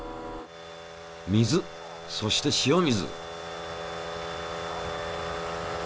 水そして塩水。